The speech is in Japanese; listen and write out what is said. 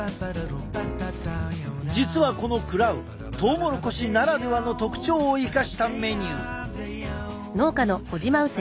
実はこのクラウトウモロコシならではの特徴を生かしたメニュー。